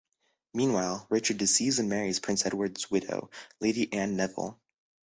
Meanwhile, Richard deceives and marries Prince Edward's widow Lady Anne Neville.